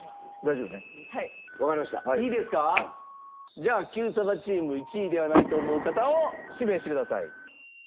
じゃあＱさま！！チーム１位ではないと思う方を指名してください。